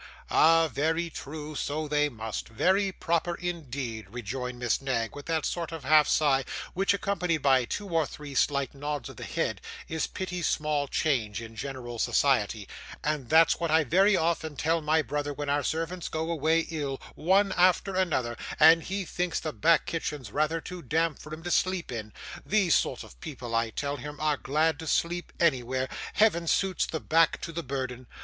'Ah! very true, so they must; very proper indeed!' rejoined Miss Knag with that sort of half sigh, which, accompanied by two or three slight nods of the head, is pity's small change in general society; 'and that's what I very often tell my brother, when our servants go away ill, one after another, and he thinks the back kitchen's rather too damp for 'em to sleep in. These sort of people, I tell him, are glad to sleep anywhere! Heaven suits the back to the burden.